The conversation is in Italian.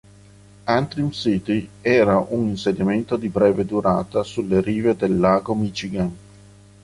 Antrim City era un insediamento di breve durata sulle rive del lago Michigan.